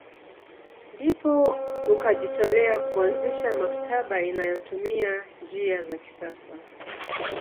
Ndipo ukajitolea kuanzisha maktaba inayotumia njia za kisasa